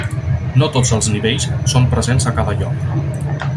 No tots els nivells són presents a cada lloc.